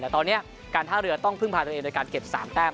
แต่ตอนนี้การท่าเรือต้องพึ่งพาตัวเองโดยการเก็บ๓แต้ม